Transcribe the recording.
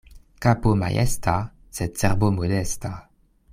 Kapo majesta, sed cerbo modesta.